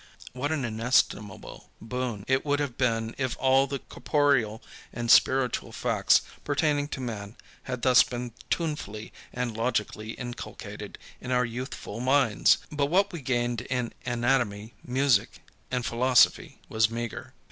What an inestimable boon it would have been if all the corporeal and spiritual facts pertaining to man had thus been tunefully and logically inculcated in our youthful minds! But what we gained in anatomy, music and philosophy was meagre.